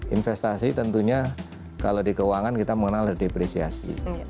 investasi tentunya kalau di keuangan kita mengenal depresiasi